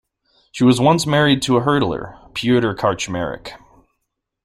She was once married to a hurdler, Piotr Karczmarek.